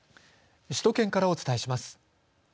首都圏からお伝えします。